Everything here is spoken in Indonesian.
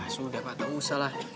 sudah pak tak usah lah